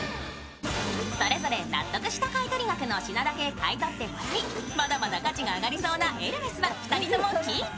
それぞれ納得した買取額の品だけ買い取ってもらい、まだまだ価値が上がりそうなエルメスは２人ともキープ。